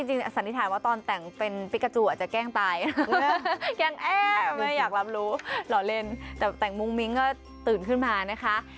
สันนิษฐานว่าตอนแต่งเป็นฟิกาจูอาจจะแกล้งตายแกล้งแอบรับรู้หล่อเล่นแต่แต่งมุ้งมิ้งก็ตื่นขึ้นมานะคะ